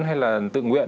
hay là tự nguyện